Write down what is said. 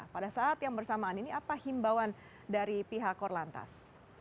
pada saat yang bersamaan ini apa himbauan dari pihak korlantas